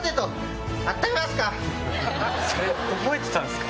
それ覚えてたんすか？